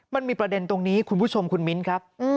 มันมีประเด็นตรงนี้คุณผู้ชมคุณมิ้นครับ